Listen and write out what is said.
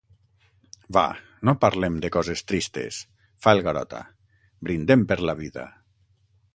Va, no parlem de coses tristes —fa el Garota—, brindem per la vida.